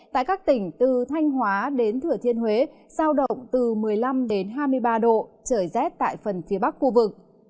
tại các tỉnh từ thanh hóa đến thừa thiên huế giao động từ một mươi năm hai mươi ba độ trời rét tại phần phía bắc khu vực